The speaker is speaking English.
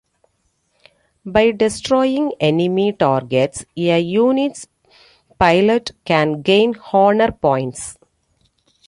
By destroying enemy targets, a unit's pilot can gain Honor Points.